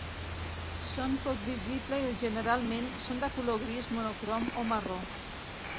Són poc visible i generalment són de color gris monocrom o marró.